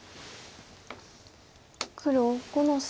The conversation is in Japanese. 黒５の三。